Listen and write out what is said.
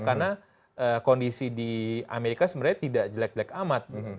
karena kondisi di amerika sebenarnya tidak jelek jelek amat